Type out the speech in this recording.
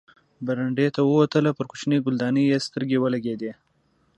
برنډې ته ووتله، په کوچنۍ ګلدانۍ یې سترګې ولګېدې.